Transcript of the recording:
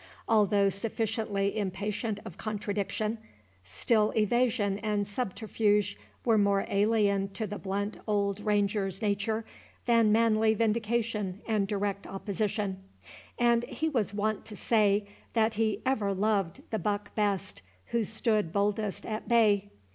Although sufficiently impatient of contradiction, still evasion and subterfuge were more alien to the blunt old Ranger's nature than manly vindication and direct opposition; and he was wont to say, that he ever loved the buck best who stood boldest at bay.